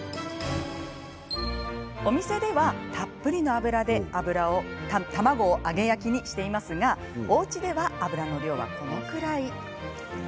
お店では、たっぷりの油で卵を揚げ焼きにしていますがおうちでは油の量はこのくらい。